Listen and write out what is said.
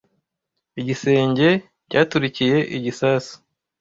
Igisenge cyaturikiye igisasu.